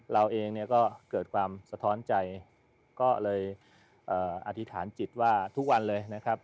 เราเองก็เกิดความสะท้อนใจก็เลยอธิษฐานจิตว่าทุกวันเลย